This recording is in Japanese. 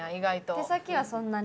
手先はそんなに。